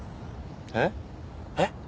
えっ？えっ？